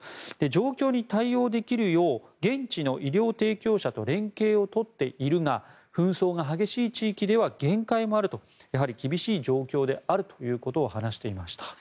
状況に対応できるよう現地の医療提供者と連携を取っているが紛争が激しい地域では限界もあるとやはり厳しい状況であるということを話していました。